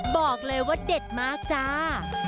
บอกเลยว่าเด็ดมากจ้า